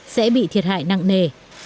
sẽ bị thiệt hại nặng nề